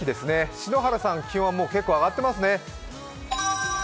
篠原さん、気温はもう結構上がっていますね。